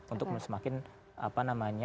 untuk semakin apa namanya